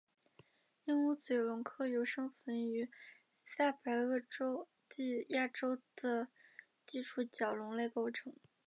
鹦鹉嘴龙科由生存于下白垩纪亚洲的基础角龙类构成。